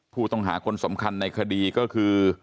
ผู้ต้องหาคนสำคัญในคดีก็คือ